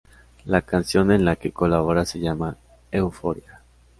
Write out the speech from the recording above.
La canción en la que colabora se llama "Euforia".